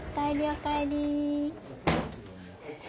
お帰り。